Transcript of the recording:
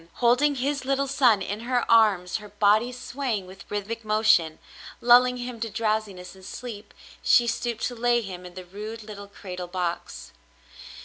Holding his little son in her arms, her body swaying with rhythmic motion, lulling him to drowsiness and sleep, she stooped to lay him in the rude little cradle box.